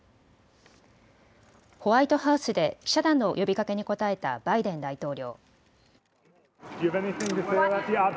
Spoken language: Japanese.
ホワイトハウスで記者団の呼びかけに答えたバイデン大統領。